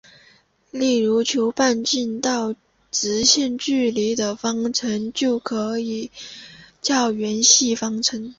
例如求半径到直线距离的方程就可以叫圆系方程。